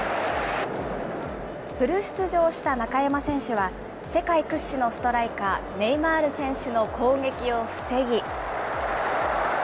フル出場した中山選手は、世界屈指のストライカー、ネイマール選手の攻撃を防ぎ。